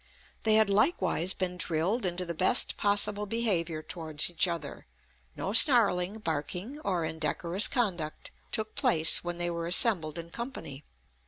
They had likewise been drilled into the best possible behaviour towards each other; no snarling, barking, or indecorous conduct took place when they were assembled in company.